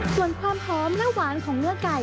ส่วนความหอมและหวานของเนื้อไก่